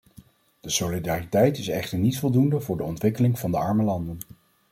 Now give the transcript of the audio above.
Deze solidariteit is echter niet voldoende voor de ontwikkeling van de arme landen.